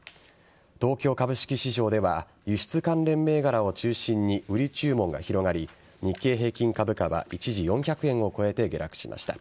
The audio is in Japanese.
東京株式市場では輸出関連銘柄を中心に売り注文が広がり日経平均株価は一時４００円を超えて下落しました。